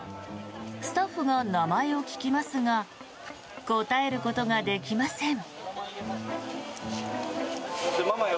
スタッフが名前を聞きますが答えることができません。